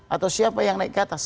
atau siapa yang naik ke atas